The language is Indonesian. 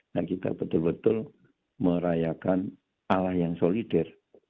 nah kita betul betul merayakan allah yang solidir